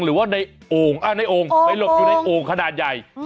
หรือว่าไปหลบอยู่ในโงค์ขนาดใหญ่